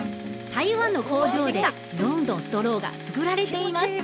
台湾の工場でどんどんストローが作られています